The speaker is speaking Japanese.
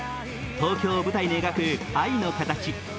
東京を舞台に描く愛の形。